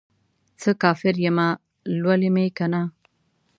څه کافر یمه ، لولی مې کنه